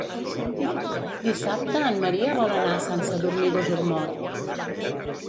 Dissabte en Maria vol anar a Sant Sadurní d'Osormort.